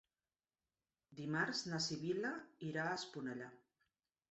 Dimarts na Sibil·la irà a Esponellà.